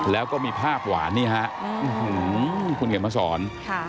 แล้วก็มีภาพหวานนี่ฮะคุณเขียนมาสอน